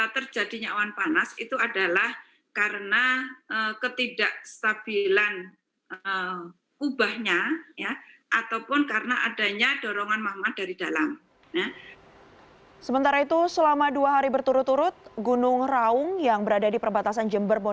terjadinya awan panas itu adalah karena ketidakstabilan